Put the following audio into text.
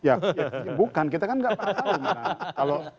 ya bukan kita kan enggak tahu